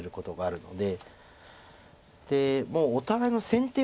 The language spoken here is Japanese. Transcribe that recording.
でもうお互いの先手